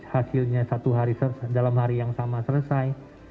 jadi harus hasilnya satu hari dalam hari yang sama selesai